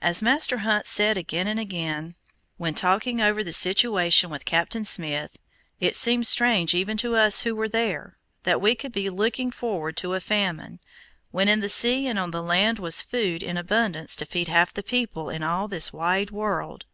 As Master Hunt said again and again when talking over the situation with Captain Smith, it seemed strange even to us who were there, that we could be looking forward to a famine, when in the sea and on the land was food in abundance to feed half the people in all this wide world.